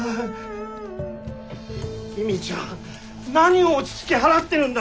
公ちゃん何を落ち着き払ってるんだ。